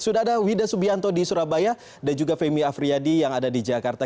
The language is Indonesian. sudah ada wida subianto di surabaya dan juga femi afriyadi yang ada di jakarta